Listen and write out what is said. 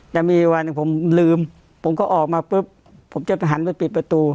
แต่มีวันหนึ่งผมลืมผมก็ออกมาปุ๊บผมจะหันไปปิดประตู